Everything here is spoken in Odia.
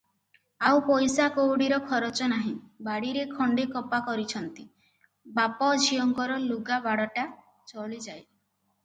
ଆଉ ପଇସା କଉଡିର ଖରଚ ନାହିଁ ।ବାଡିରେ ଖଣ୍ଡେ କପା କରିଛନ୍ତି, ବାପ ଝିଅଙ୍କର ଲୁଗାବାଡ଼ଟା ଚଳିଯାଏ ।